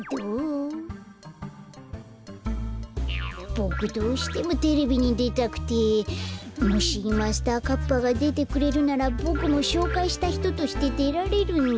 ボクどうしてもテレビにでたくて。もしマスターカッパがでてくれるならボクもしょうかいしたひととしてでられるんだ。